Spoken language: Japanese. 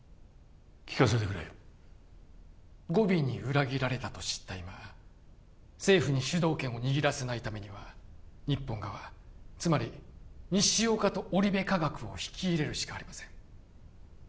聞かせてくれゴビに裏切られたと知った今政府に主導権を握らせないためには日本側つまり西岡とオリベ化学を引き入れるしかありません